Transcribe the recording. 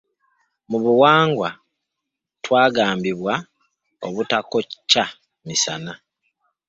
Mu buwangwa twagambibwa obutakocca misana.